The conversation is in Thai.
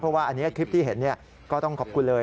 เพราะว่าอันนี้คลิปที่เห็นก็ต้องขอบคุณเลย